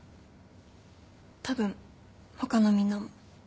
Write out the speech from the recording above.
たぶん他のみんなも。